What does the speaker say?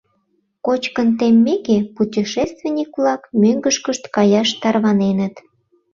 Кочкын теммеке, путешественник-влак мӧҥгышкышт каяш тарваненыт.